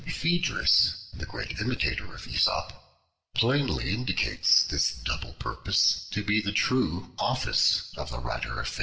Phaedrus, the great imitator of Aesop, plainly indicates this double purpose to be the true office of the writer of fables.